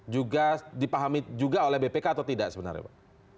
juga dipahami juga oleh bpk atau tidak sebenarnya pak